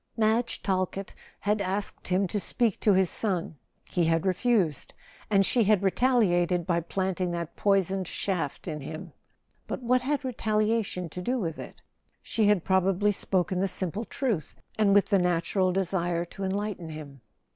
Madge Talkett had asked him to speak to his son: he had refused, and she had retaliated by planting that poisoned shaft in him. But what had retaliation to do with it? She had probably spoken the simple truth, and with the natural desire to enlighten him.